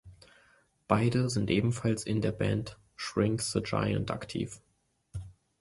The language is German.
Beide sind ebenfalls in der Band "Shrink the Giant" aktiv.